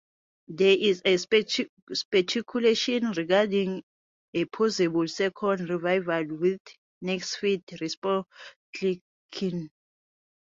There is speculation regarding a possible second revival, with Netflix reportedly keen.